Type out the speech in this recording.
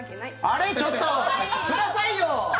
あれちょっとくださいよ